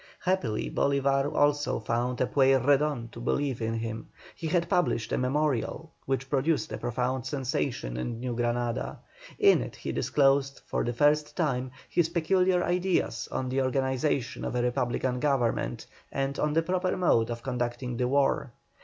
Happily, Bolívar also found a Pueyrredon to believe in him. He had published a memorial which produced a profound sensation in New Granada. In it he disclosed for the first time his peculiar ideas on the organization of a Republican Government, and on the proper mode of conducting the war.